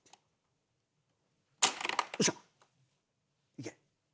いけ！